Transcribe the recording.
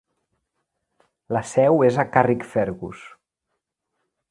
La seu és a Carrickfergus.